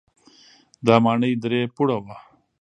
دا ماڼۍ درې پوړه وه.